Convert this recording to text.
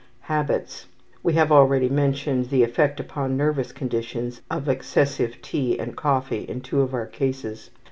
Habits. We have already mentioned the effect upon nervous conditions of excessive tea and coffee in two of our cases.